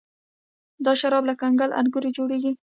دا شراب له کنګل انګورو جوړیږي.